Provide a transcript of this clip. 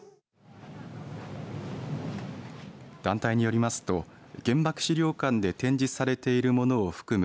団体によりますと原爆資料館で展示されているものを含む